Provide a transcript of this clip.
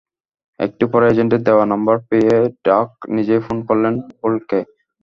একটু পরে এজেন্টের দেওয়া নম্বর পেয়ে ডাইখ নিজেই ফোন করলেন হোল্টকে।